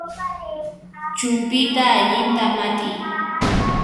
Chumpyta allinta mat'iy